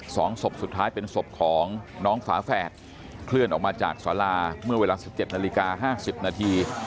สองศพสุดท้ายเป็นศพของน้องฝาแฝดเคลื่อนออกมาจากสาราเมื่อเวลาสิบเจ็ดนาฬิกาห้าสิบนาที